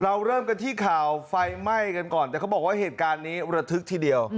เราเริ่มกันที่ข่าวไฟไหม้กันก่อนแต่เขาบอกว่าเหตุการณ์นี้ระทึกทีเดียว